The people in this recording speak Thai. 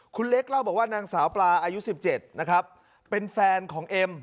คุณเล็กเล่าบอกว่านางสาวปลาอายุ๑๗นะครับเป็นแฟนของเอ็ม